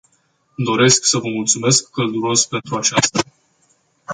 Doresc să vă mulțumesc călduros pentru aceasta.